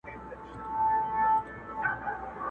ړانده وګړي د دلبرو قدر څه پیژني.!